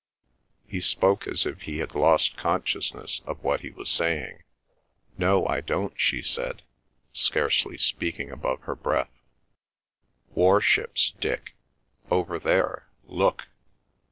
He spoke as if he had lost consciousness of what he was saying. "No; I don't," she said, scarcely speaking above her breath. "Warships, Dick! Over there! Look!"